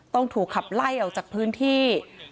ต้องถูกขับไล่ออกจากพื้นที่